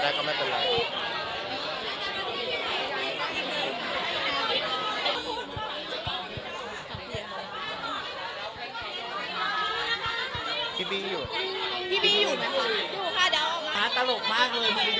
ท่าลงไปหน่อยท่าลง